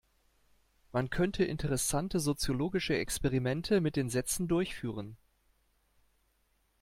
Man könnte interessante soziologische Experimente mit den Sätzen durchführen.